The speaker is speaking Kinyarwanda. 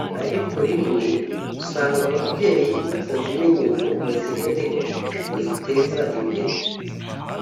ariko rimwe usanga ababyeyi batazimenya ngo bazihereho baziteza imbere